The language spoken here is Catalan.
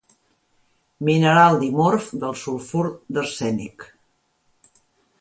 Mineral dimorf del sulfur d'arsènic.